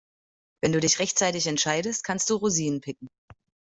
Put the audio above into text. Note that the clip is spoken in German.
Wenn du dich rechtzeitig entscheidest, kannst du Rosinen picken.